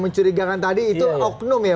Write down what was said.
mencurigakan tadi itu oknum ya